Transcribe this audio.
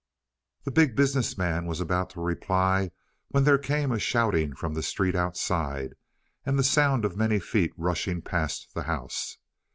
The Big Business Man was about to reply when there came a shouting from the street outside, and the sound of many feet rushing past the house.